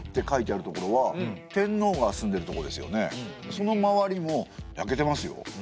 その周りも焼けてますよ。